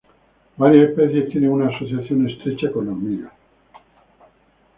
Varias especies tienen una asociación estrecha con hormigas.